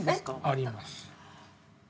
あります。